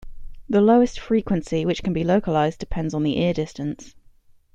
The lowest frequency which can be localized depends on the ear distance.